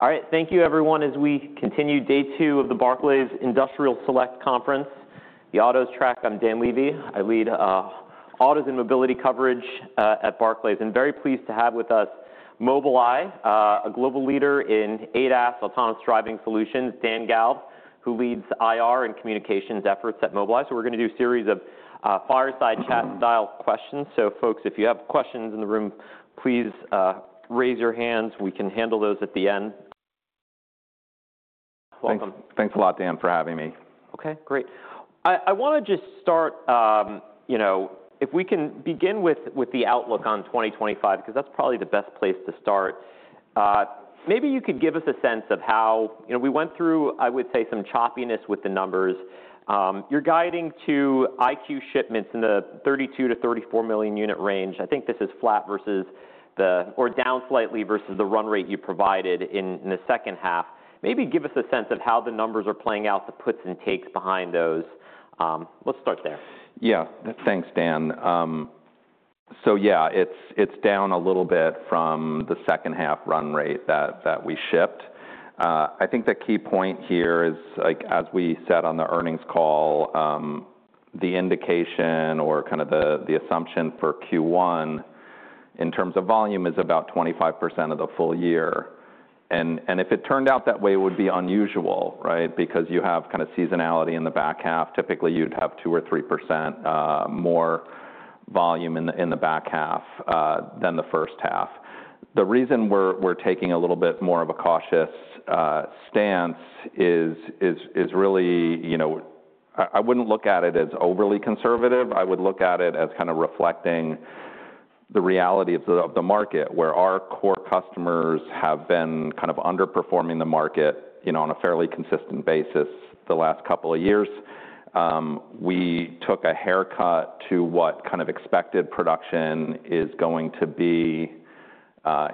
All right, thank you, everyone. As we continue day two of the Barclays Industrial Select Conference, the autos track, I'm Dan Levy. I lead autos and mobility coverage at Barclays. And very pleased to have with us Mobileye, a global leader in ADAS, Autonomous Driving Solutions. Dan Galves, who leads IR and communications efforts at Mobileye. So we're going to do a series of fireside chat-style questions. So folks, if you have questions in the room, please raise your hands. We can handle those at the end. Thanks a lot, Dan, for having me. OK, great. I want to just start, you know, if we can begin with the outlook on 2025, because that's probably the best place to start. Maybe you could give us a sense of how we went through, I would say, some choppiness with the numbers. You're guiding to EyeQ shipments in the 32-34 million unit range. I think this is flat versus the, or down slightly versus the run rate you provided in the second half. Maybe give us a sense of how the numbers are playing out, the puts and takes behind those. Let's start there. Yeah, thanks, Dan. So yeah, it's down a little bit from the second half run rate that we shipped. I think the key point here is, as we said on the earnings call, the indication or kind of the assumption for Q1 in terms of volume is about 25% of the full year. And if it turned out that way, it would be unusual, right? Because you have kind of seasonality in the back half. Typically, you'd have 2% or 3% more volume in the back half than the first half. The reason we're taking a little bit more of a cautious stance is really, you know, I wouldn't look at it as overly conservative. I would look at it as kind of reflecting the reality of the market, where our core customers have been kind of underperforming the market on a fairly consistent basis the last couple of years. We took a haircut to what kind of expected production is going to be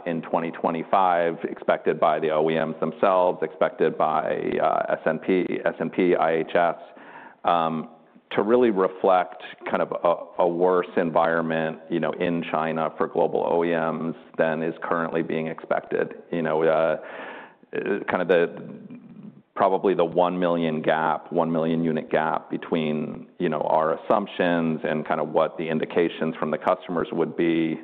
in 2025, expected by the OEMs themselves, expected by S&P, IHS, to really reflect kind of a worse environment in China for global OEMs than is currently being expected. Kind of probably the one million gap, one million unit gap between our assumptions and kind of what the indications from the customers would be,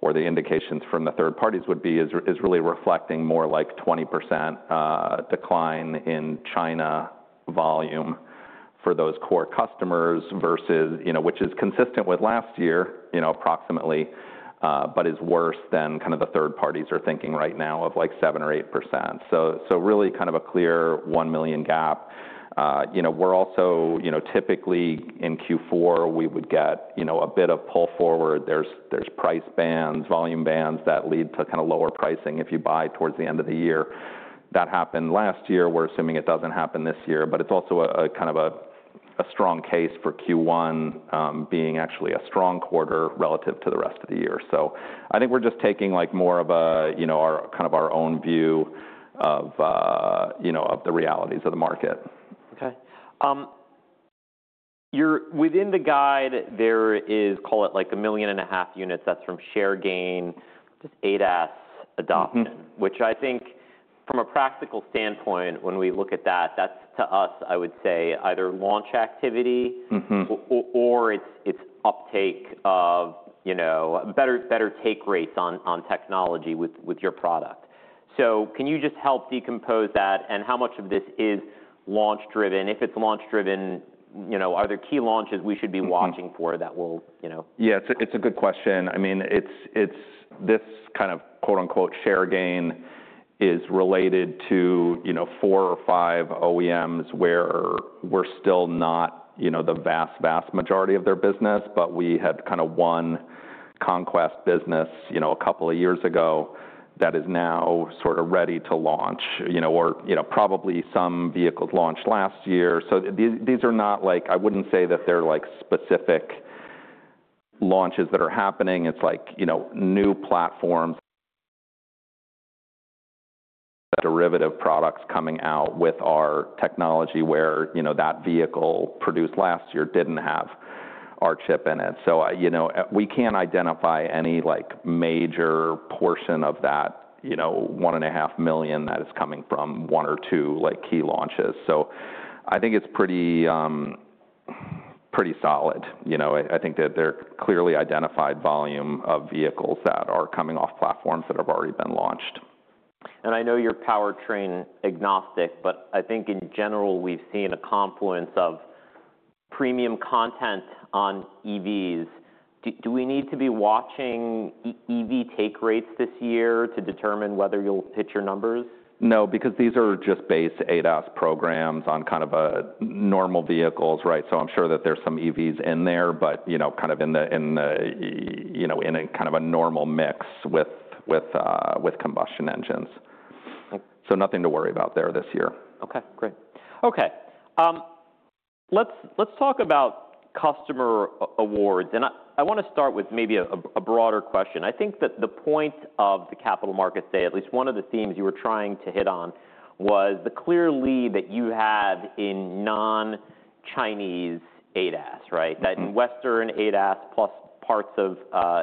or the indications from the third parties would be, is really reflecting more like 20% decline in China volume for those core customers versus, which is consistent with last year approximately, but is worse than kind of the third parties are thinking right now of like 7% or 8%. So really kind of a clear one million gap. We're also typically in Q4, we would get a bit of pull forward. There's price bands, volume bands that lead to kind of lower pricing if you buy towards the end of the year. That happened last year. We're assuming it doesn't happen this year. But it's also a kind of a strong case for Q1 being actually a strong quarter relative to the rest of the year. So I think we're just taking more of our kind of our own view of the realities of the market. OK. Within the guide, there is, call it like 1.5 million units. That's from share gain, just ADAS adoption, which I think from a practical standpoint, when we look at that, that's to us, I would say, either launch activity or it's uptake of better take rates on technology with your product. So can you just help decompose that? And how much of this is launch driven? If it's launch driven, are there key launches we should be watching for that will? Yeah, it's a good question. I mean, this kind of quote unquote share gain is related to four or five OEMs where we're still not the vast, vast majority of their business. But we had kind of one conquest business a couple of years ago that is now sort of ready to launch, or probably some vehicles launched last year. So these are not like, I wouldn't say that they're like specific launches that are happening. It's like new platforms, derivative products coming out with our technology where that vehicle produced last year didn't have our chip in it. So we can't identify any major portion of that 1.5 million that is coming from one or two key launches. So I think it's pretty solid. I think that they're clearly identified volume of vehicles that are coming off platforms that have already been launched. And I know you're powertrain agnostic, but I think in general, we've seen a confluence of premium content on EVs. Do we need to be watching EV take rates this year to determine whether you'll hit your numbers? No, because these are just base ADAS programs on kind of normal vehicles, right? So I'm sure that there's some EVs in there, but kind of in kind of a normal mix with combustion engines. So nothing to worry about there this year. OK, great. OK, let's talk about customer awards, and I want to start with maybe a broader question. I think that the point of the capital markets day, at least one of the themes you were trying to hit on, was the clear lead that you had in non-Chinese ADAS, right? That in Western ADAS plus parts of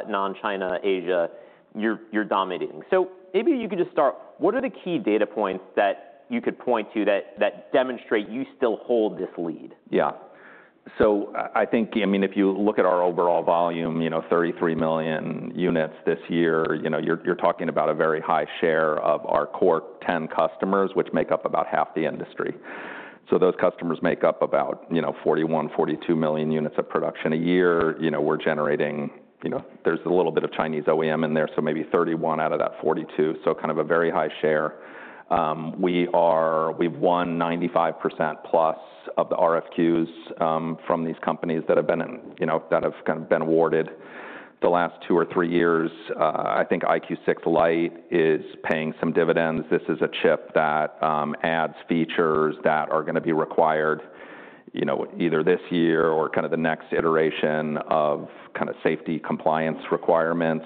non-China Asia, you're dominating. So maybe you could just start, what are the key data points that you could point to that demonstrate you still hold this lead? Yeah. So I think, I mean, if you look at our overall volume, 33 million units this year, you're talking about a very high share of our core 10 customers, which make up about half the industry. So those customers make up about 41, 42 million units of production a year. We're generating; there's a little bit of Chinese OEM in there, so maybe 31 out of that 42. So kind of a very high share. We've won 95% + of the RFQs from these companies that have been awarded the last two or three years. I think EyeQ6 Lite is paying some dividends. This is a chip that adds features that are going to be required either this year or kind of the next iteration of kind of safety compliance requirements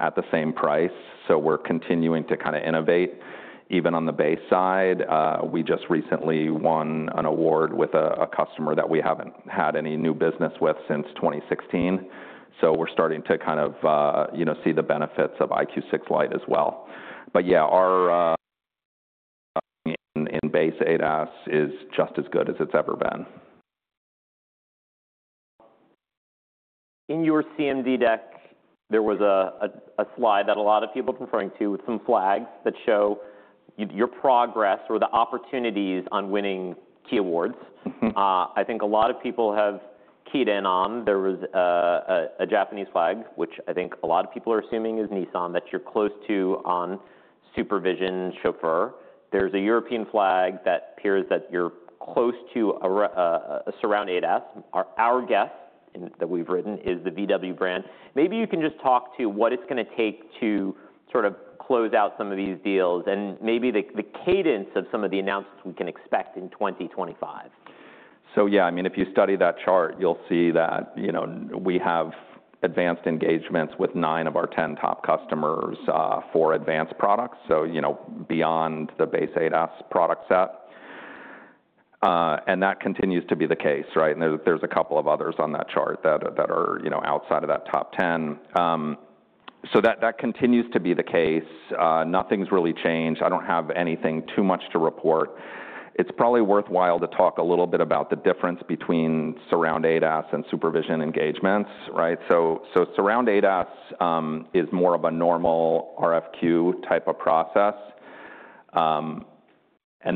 at the same price. So we're continuing to kind of innovate even on the base side. We just recently won an award with a customer that we haven't had any new business with since 2016. So we're starting to kind of see the benefits of EyeQ6 Lite as well. But yeah, our entry base ADAS is just as good as it's ever been. In your CMD deck, there was a slide that a lot of people are referring to with some flags that show your progress or the opportunities on winning key awards. I think a lot of people have keyed in on. There was a Japanese flag, which I think a lot of people are assuming is Nissan, that you're close to on Supervision Chauffeur. There's a European flag that appears that you're close to a Surround ADAS. Our guess that we've written is the VW brand. Maybe you can just talk to what it's going to take to sort of close out some of these deals and maybe the cadence of some of the announcements we can expect in 2025. So yeah, I mean, if you study that chart, you'll see that we have advanced engagements with nine of our 10 top customers for advanced products, so beyond the base ADAS product set, and that continues to be the case, right? There's a couple of others on that chart that are outside of that top 10, so that continues to be the case. Nothing's really changed. I don't have anything too much to report. It's probably worthwhile to talk a little bit about the difference between Surround ADAS and Supervision engagements, right? Surround ADAS is more of a normal RFQ type of process, and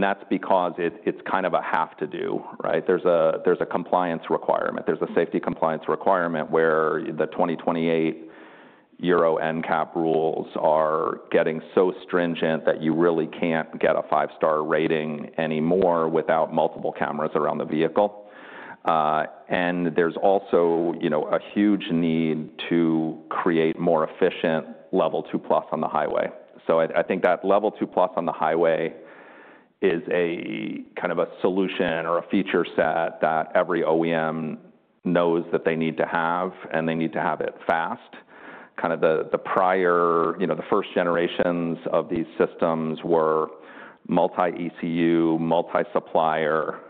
that's because it's kind of a have to do, right? There's a compliance requirement. There's a safety compliance requirement where the 2028 Euro NCAP rules are getting so stringent that you really can't get a five-star rating anymore without multiple cameras around the vehicle. There's also a huge need to create more efficient Level 2+ on the highway. I think that Level 2+ on the highway is kind of a solution or a feature set that every OEM knows that they need to have, and they need to have it fast. Kind of the prior, the first generations of these systems were multi-ECU, multi-supplier,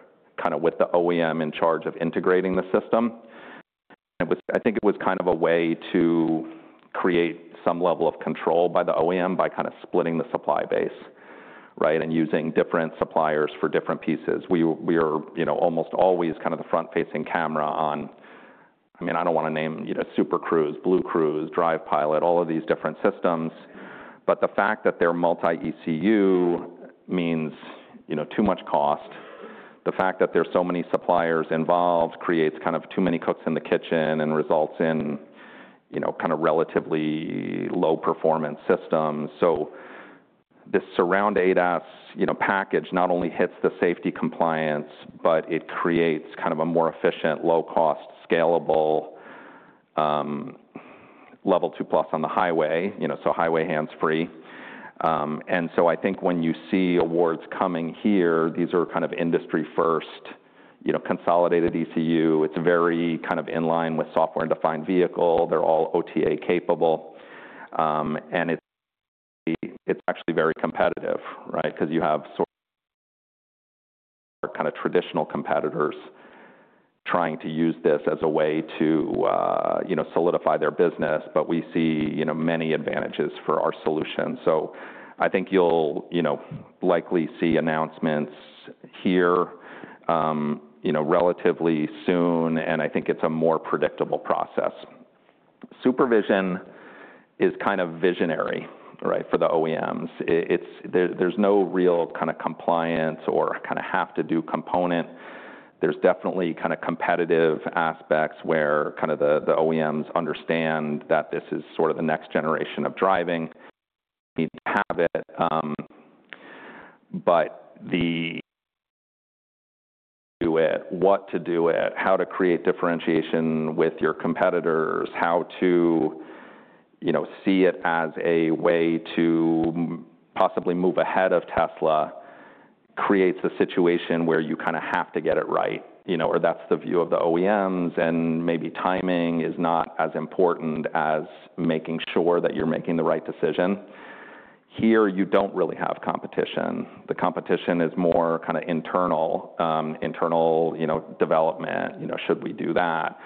kind of with the OEM in charge of integrating the system. I think it was kind of a way to create some level of control by the OEM by kind of splitting the supply base, right, and using different suppliers for different pieces. We are almost always kind of the front-facing camera on, I mean, I don't want to name Super Cruise, BlueCruise, Drive Pilot, all of these different systems. But the fact that they're multi-ECU means too much cost. The fact that there's so many suppliers involved creates kind of too many cooks in the kitchen and results in kind of relatively low-performance systems. So this Surround ADAS package not only hits the safety compliance, but it creates kind of a more efficient, low-cost, scalable Level 2+ on the highway, so highway hands-free. And so I think when you see awards coming here, these are kind of industry-first, consolidated ECU. It's very kind of in line with software-defined vehicle. They're all OTA capable. And it's actually very competitive, right? Because you have kind of traditional competitors trying to use this as a way to solidify their business. But we see many advantages for our solution. So I think you'll likely see announcements here relatively soon. And I think it's a more predictable process. Supervision is kind of visionary for the OEMs. There's no real kind of compliance or kind of have to do component. There's definitely kind of competitive aspects where kind of the OEMs understand that this is sort of the next generation of driving. You need to have it. But to do it, what to do it, how to create differentiation with your competitors, how to see it as a way to possibly move ahead of Tesla creates a situation where you kind of have to get it right. Or that's the view of the OEMs. And maybe timing is not as important as making sure that you're making the right decision. Here, you don't really have competition. The competition is more kind of internal, internal development. Should we do that?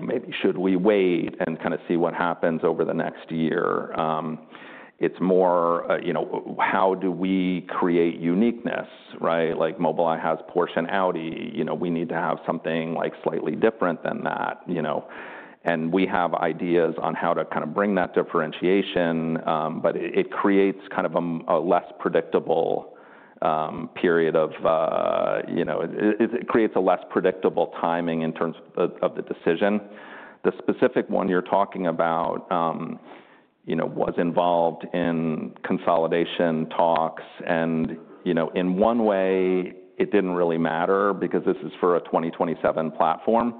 Maybe should we wait and kind of see what happens over the next year? It's more how do we create uniqueness, right? Like Mobileye has Porsche and Audi. We need to have something slightly different than that. And we have ideas on how to kind of bring that differentiation. But it creates a less predictable timing in terms of the decision. The specific one you're talking about was involved in consolidation talks. And in one way, it didn't really matter because this is for a 2027 platform.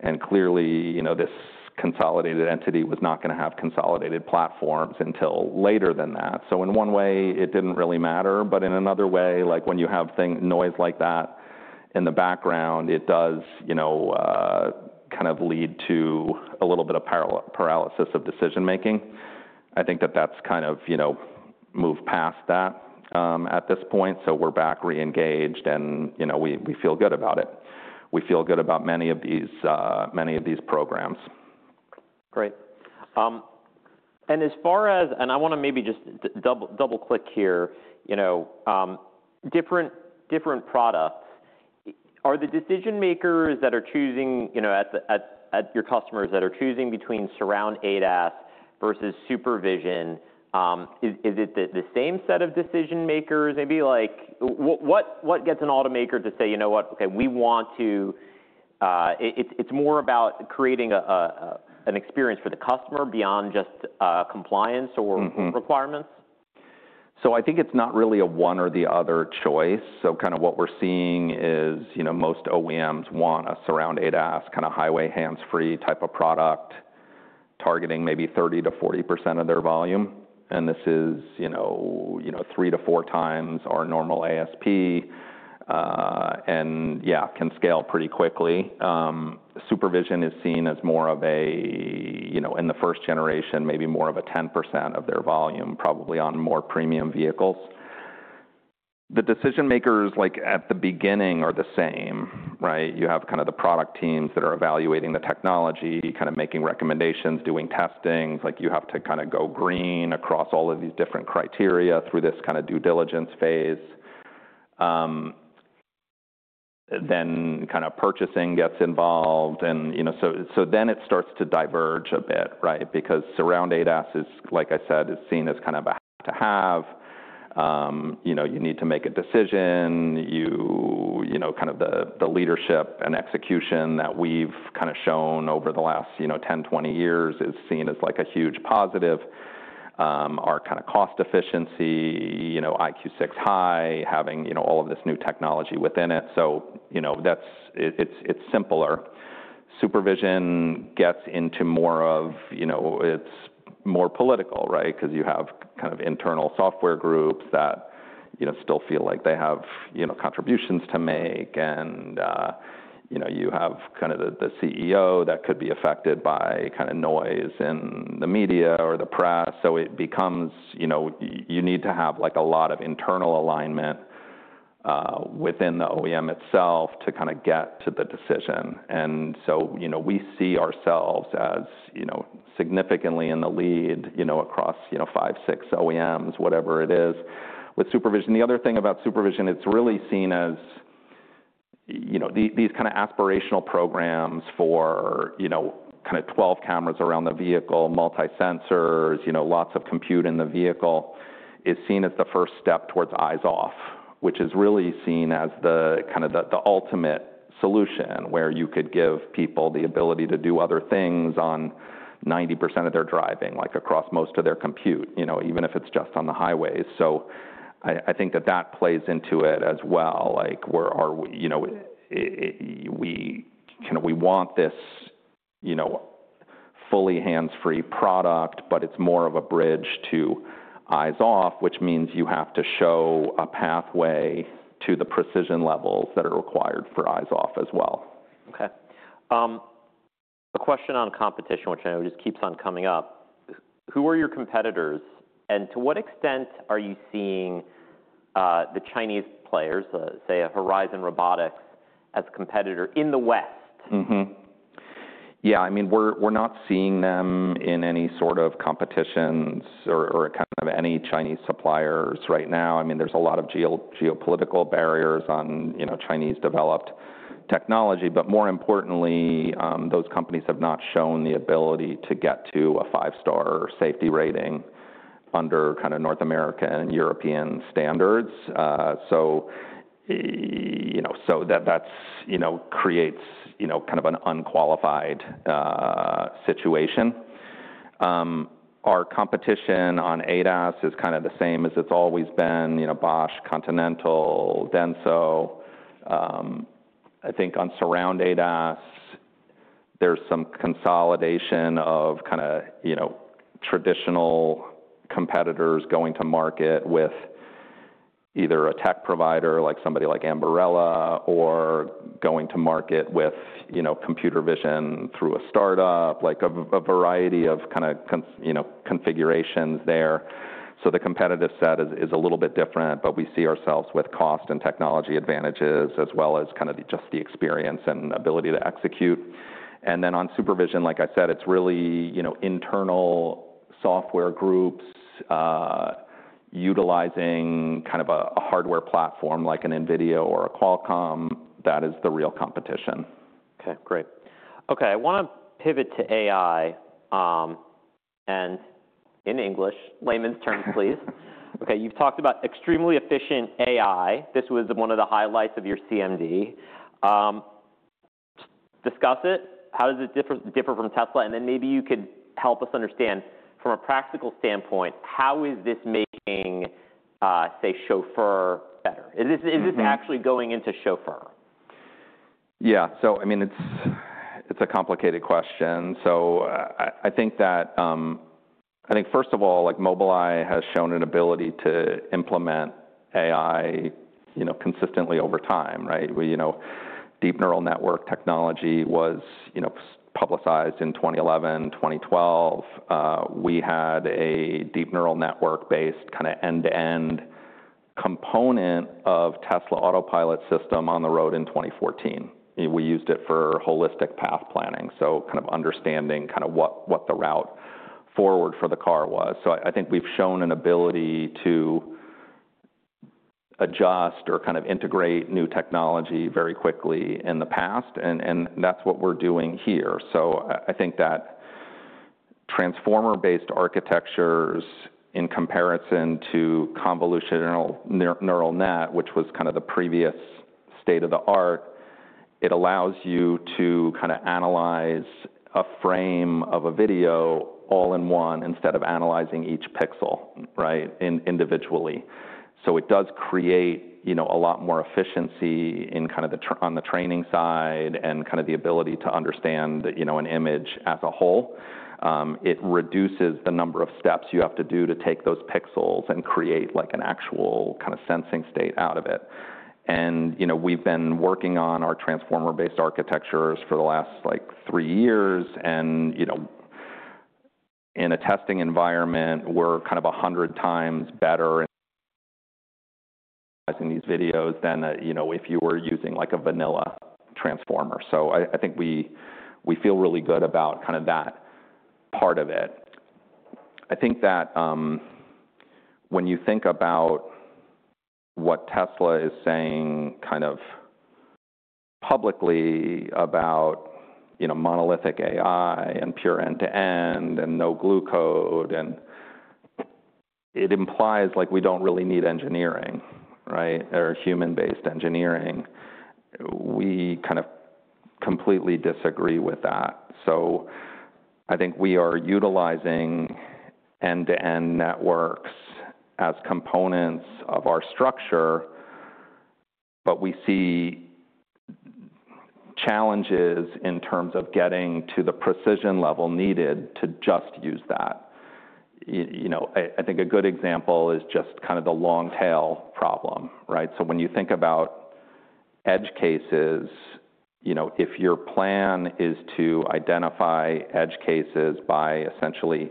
And clearly, this consolidated entity was not going to have consolidated platforms until later than that. So in one way, it didn't really matter. But in another way, like when you have noise like that in the background, it does kind of lead to a little bit of paralysis of decision-making. I think that that's kind of moved past that at this point. So we're back re-engaged, and we feel good about it. We feel good about many of these programs. Great. And as far as, and I want to maybe just double-click here, different products. Are the decision-makers that are choosing at your customers between Surround ADAS versus Supervision, is it the same set of decision-makers? Maybe what gets an automaker to say, you know what, OK, we want to, it's more about creating an experience for the customer beyond just compliance or requirements? So I think it's not really a one or the other choice. So kind of what we're seeing is most OEMs want a Surround ADAS, kind of highway hands-free type of product targeting maybe 30%-40% of their volume. And this is three to four times our normal ASP and yeah, can scale pretty quickly. Supervision is seen as more of a, in the first generation, maybe more of a 10% of their volume, probably on more premium vehicles. The decision-makers at the beginning are the same, right? You have kind of the product teams that are evaluating the technology, kind of making recommendations, doing testing. Like you have to kind of go green across all of these different criteria through this kind of due diligence phase. Then kind of purchasing gets involved. And so then it starts to diverge a bit, right? Because Surround ADAS is, like I said, is seen as kind of a have to have. You need to make a decision. Kind of the leadership and execution that we've kind of shown over the last 10, 20 years is seen as like a huge positive. Our kind of cost efficiency, EyeQ6 High, having all of this new technology within it. So it's simpler. Supervision gets into more of, it's more political, right? Because you have kind of internal software groups that still feel like they have contributions to make. And you have kind of the CEO that could be affected by kind of noise in the media or the press. So it becomes, you need to have a lot of internal alignment within the OEM itself to kind of get to the decision. And so we see ourselves as significantly in the lead across five, six OEMs, whatever it is. With Supervision, the other thing about Supervision, it's really seen as these kind of aspirational programs for kind of 12 cameras around the vehicle, multi-sensors, lots of compute in the vehicle is seen as the first step towards eyes-off, which is really seen as the kind of the ultimate solution where you could give people the ability to do other things on 90% of their driving, like across most of their commute, even if it's just on the highways. So I think that that plays into it as well. We want this fully hands-free product, but it's more of a bridge to eyes-off, which means you have to show a pathway to the precision levels that are required for Eyes-off as well. OK. A question on competition, which I know just keeps on coming up. Who are your competitors, and to what extent are you seeing the Chinese players, say, a Horizon Robotics as a competitor in the West? Yeah, I mean, we're not seeing them in any sort of competitions or kind of any Chinese suppliers right now. I mean, there's a lot of geopolitical barriers on Chinese-developed technology. But more importantly, those companies have not shown the ability to get to a five-star safety rating under kind of North American and European standards. So that creates kind of an unqualified situation. Our competition on ADAS is kind of the same as it's always been, Bosch, Continental, Denso. I think on surround ADAS, there's some consolidation of kind of traditional competitors going to market with either a tech provider like somebody like Ambarella or going to market with computer vision through a startup, like a variety of kind of configurations there. So the competitive set is a little bit different. But we see ourselves with cost and technology advantages as well as kind of just the experience and ability to execute. And then on supervision, like I said, it's really internal software groups utilizing kind of a hardware platform like an NVIDIA or a Qualcomm. That is the real competition. OK, great. OK, I want to pivot to AI and in English, layman's terms, please. OK, you've talked about extremely efficient AI. This was one of the highlights of your CMD. Discuss it. How does it differ from Tesla? And then maybe you could help us understand from a practical standpoint, how is this making, say, chauffeur better? Is this actually going into chauffeur? Yeah, so I mean, it's a complicated question. So I think that, I think first of all, Mobileye has shown an ability to implement AI consistently over time, right? Deep neural network technology was publicized in 2011, 2012. We had a deep neural network-based kind of end-to-end component of Tesla Autopilot system on the road in 2014. We used it for holistic path planning, so kind of understanding kind of what the route forward for the car was. So I think we've shown an ability to adjust or kind of integrate new technology very quickly in the past. And that's what we're doing here. So I think that transformer-based architectures in comparison to convolutional neural net, which was kind of the previous state of the art. It allows you to kind of analyze a frame of a video all in one instead of analyzing each pixel, right, individually. It does create a lot more efficiency in kind of on the training side and kind of the ability to understand an image as a whole. It reduces the number of steps you have to do to take those pixels and create like an actual kind of sensing state out of it. We've been working on our transformer-based architectures for the last like three years. In a testing environment, we're kind of 100 times better in these videos than if you were using like a vanilla transformer. I think we feel really good about kind of that part of it. I think that when you think about what Tesla is saying kind of publicly about monolithic AI and pure end-to-end and no glue, it implies like we don't really need engineering, right, or human-based engineering. We kind of completely disagree with that. So I think we are utilizing end-to-end networks as components of our structure. But we see challenges in terms of getting to the precision level needed to just use that. I think a good example is just kind of the long tail problem, right? So when you think about edge cases, if your plan is to identify edge cases by essentially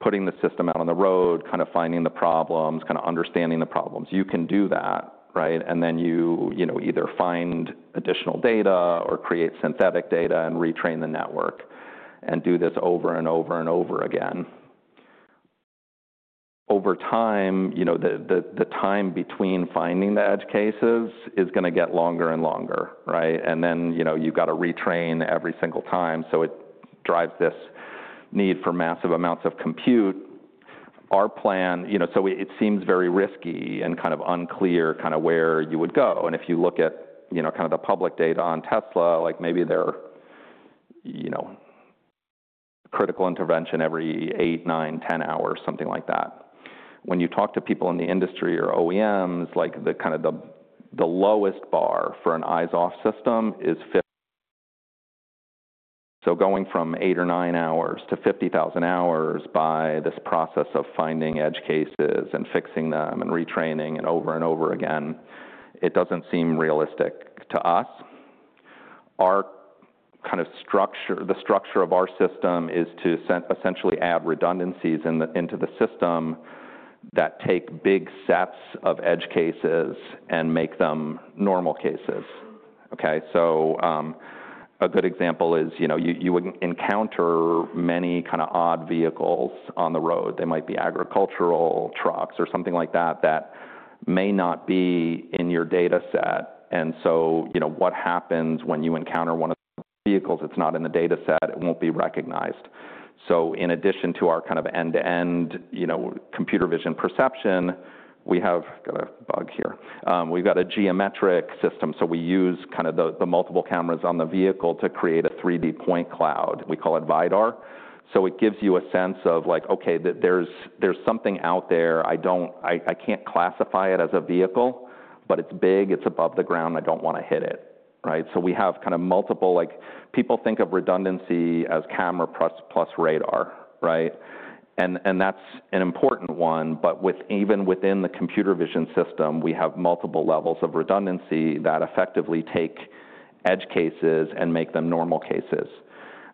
putting the system out on the road, kind of finding the problems, kind of understanding the problems, you can do that, right? And then you either find additional data or create synthetic data and retrain the network and do this over and over and over again. Over time, the time between finding the edge cases is going to get longer and longer, right? And then you've got to retrain every single time. So it drives this need for massive amounts of compute. Our plan, so it seems very risky and kind of unclear kind of where you would go. And if you look at kind of the public data on Tesla, like maybe their critical intervention every eight, nine, 10 hours, something like that. When you talk to people in the industry or OEMs, like kind of the lowest bar for an eyes-off system is 50. So going from eight or nine hours to 50,000 hours by this process of finding edge cases and fixing them and retraining and over and over again, it doesn't seem realistic to us. Our kind of structure, the structure of our system is to essentially add redundancies into the system that take big sets of edge cases and make them normal cases. OK, so a good example is you would encounter many kind of odd vehicles on the road. They might be agricultural trucks or something like that that may not be in your data set. And so what happens when you encounter one of the vehicles that's not in the data set? It won't be recognized. So in addition to our kind of end-to-end computer vision perception, we have got a backup here. We've got a geometric system. So we use kind of the multiple cameras on the vehicle to create a 3D point cloud. We call it Vidar. So it gives you a sense of like, OK, there's something out there. I can't classify it as a vehicle, but it's big. It's above the ground. I don't want to hit it, right? So we have kind of multiple, like people think of redundancy as camera plus radar, right? And that's an important one. Even within the computer vision system, we have multiple levels of redundancy that effectively take edge cases and make them normal cases.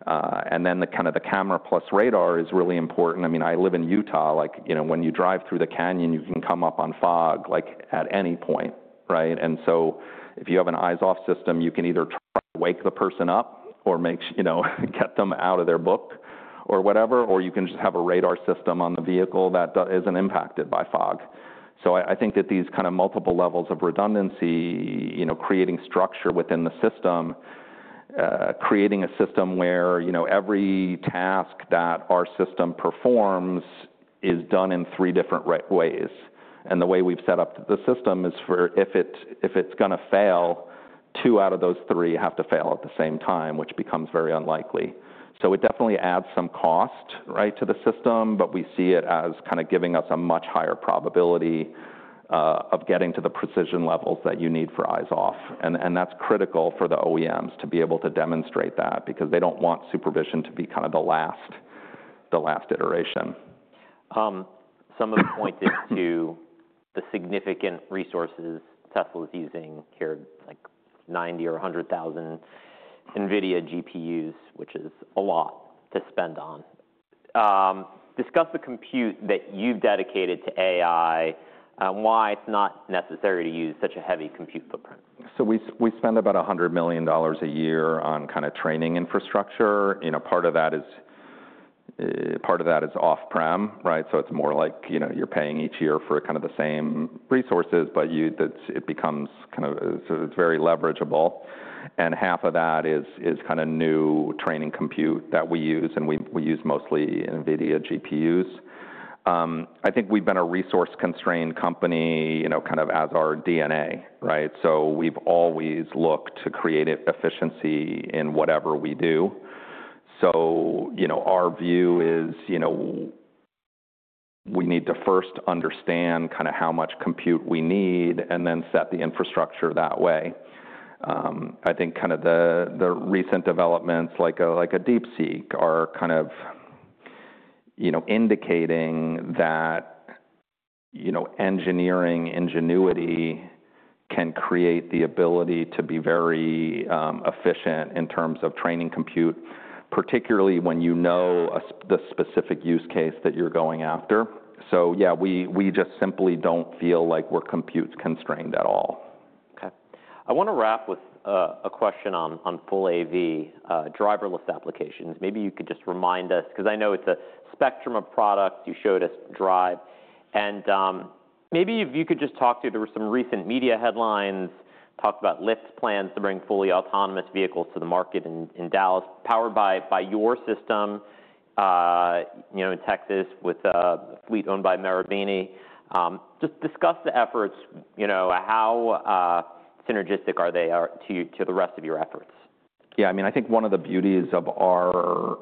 And then the kind of the camera plus radar is really important. I mean, I live in Utah. Like when you drive through the canyon, you can come up on fog like at any point, right? And so if you have an eyes-off system, you can either try to wake the person up or get them out of their book or whatever. Or you can just have a radar system on the vehicle that isn't impacted by fog. So I think that these kind of multiple levels of redundancy, creating structure within the system, creating a system where every task that our system performs is done in three different ways. And the way we've set up the system is for if it's going to fail, two out of those three have to fail at the same time, which becomes very unlikely. So it definitely adds some cost, right, to the system. But we see it as kind of giving us a much higher probability of getting to the precision levels that you need for eyes-off. And that's critical for the OEMs to be able to demonstrate that because they don't want supervision to be kind of the last iteration. Some of it pointed to the significant resources Tesla is using here, like 90,000 or 100,000 NVIDIA GPUs, which is a lot to spend on. Discuss the compute that you've dedicated to AI and why it's not necessary to use such a heavy compute footprint. So we spend about $100 million a year on kind of training infrastructure. Part of that is off-prem, right? So it's more like you're paying each year for kind of the same resources, but it becomes kind of very leverageable. And half of that is kind of new training compute that we use. And we use mostly NVIDIA GPUs. I think we've been a resource-constrained company kind of as our DNA, right? So we've always looked to create efficiency in whatever we do. So our view is we need to first understand kind of how much compute we need and then set the infrastructure that way. I think kind of the recent developments, like a DeepSeek, are kind of indicating that engineering ingenuity can create the ability to be very efficient in terms of training compute, particularly when you know the specific use case that you're going after. So yeah, we just simply don't feel like we're compute-constrained at all. OK. I want to wrap with a question on full AV driverless applications. Maybe you could just remind us because I know it's a spectrum of products you showed us Drive. And maybe if you could just talk to there were some recent media headlines talked about Lyft plans to bring fully autonomous vehicles to the market in Dallas powered by your system in Texas with a fleet owned by Marubeni. Just discuss the efforts. How synergistic are they to the rest of your efforts? Yeah, I mean, I think one of the beauties of our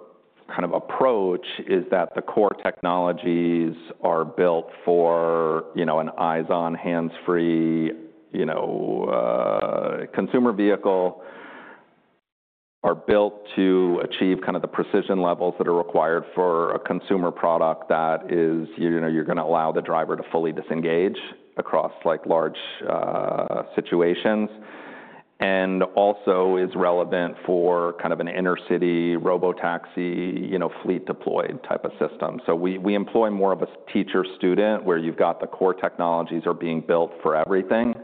kind of approach is that the core technologies are built for an eyes-on, hands-free consumer vehicle are built to achieve kind of the precision levels that are required for a consumer product that is you're going to allow the driver to fully disengage across large situations and also is relevant for kind of an inner-city robotaxi fleet deployed type of system. So we employ more of a teacher-student where you've got the core technologies are being built for everything. And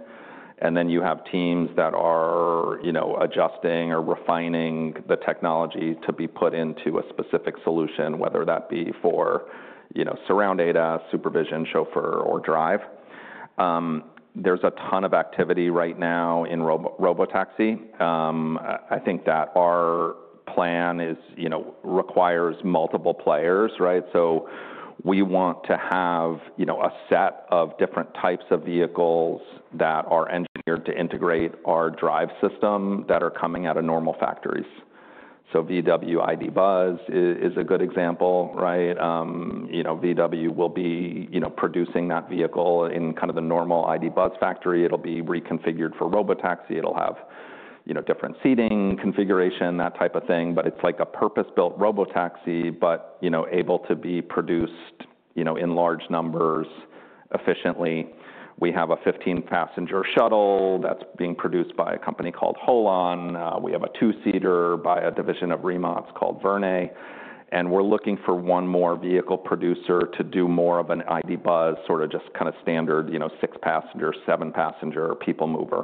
then you have teams that are adjusting or refining the technology to be put into a specific solution, whether that be for Surround ADAS, Supervision, Chauffeur, or Drive. There's a ton of activity right now in robotaxi. I think that our plan requires multiple players, right? So we want to have a set of different types of vehicles that are engineered to integrate our drive system that are coming out of normal factories. So VW ID. Buzz is a good example, right? VW will be producing that vehicle in kind of the normal ID. Buzz factory. It'll be reconfigured for robotaxi. It'll have different seating configuration, that type of thing. But it's like a purpose-built robotaxi, but able to be produced in large numbers efficiently. We have a 15-passenger shuttle that's being produced by a company called Holon. We have a two-seater by a division of Rimac called Verne. And we're looking for one more vehicle producer to do more of an ID. Buzz sort of just kind of standard six-passenger, seven-passenger people mover.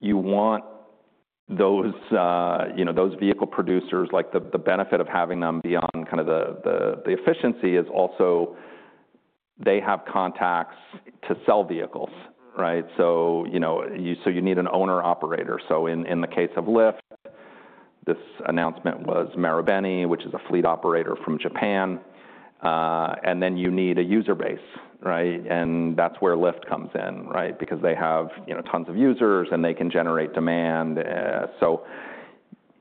You want those vehicle producers, like the benefit of having them beyond kind of the efficiency is also they have contacts to sell vehicles, right? So you need an owner-operator. So in the case of Lyft, this announcement was Marubeni, which is a fleet operator from Japan. And then you need a user base, right? And that's where Lyft comes in, right? Because they have tons of users and they can generate demand. So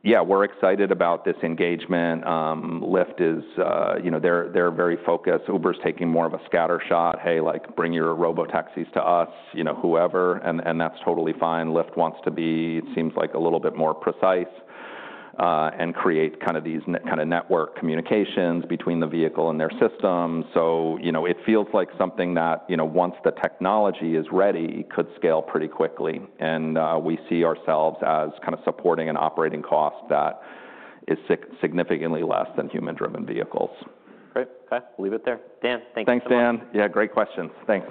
yeah, we're excited about this engagement. Lyft is they're very focused. Uber's taking more of a scattershot. Hey, like bring your robotaxis to us, whoever. And that's totally fine. Lyft wants to be, it seems like, a little bit more precise and create kind of these kind of network communications between the vehicle and their system. So it feels like something that once the technology is ready could scale pretty quickly. We see ourselves as kind of supporting an operating cost that is significantly less than human-driven vehicles. Great. OK. We'll leave it there. Dan, thanks. Thanks, Dan. Yeah, great questions. Thanks.